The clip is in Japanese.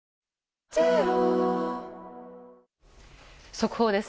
速報です。